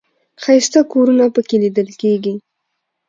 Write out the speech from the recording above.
ښایسته کورونه په کې لیدل کېږي.